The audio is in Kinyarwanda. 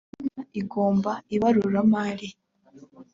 intumwa igomba ibaruramari